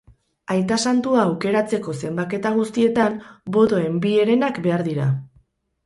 Aita santua aukeratzeko zenbaketa guztietan, botoen bi herenak behar dira.